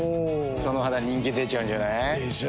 その肌人気出ちゃうんじゃない？でしょう。